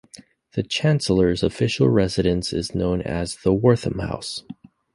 The Chancellor's official residence is known as the Wortham House.